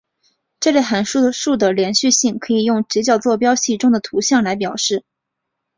这类函数的连续性可以用直角坐标系中的图像来表示。